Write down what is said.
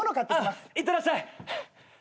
ああいってらっしゃい。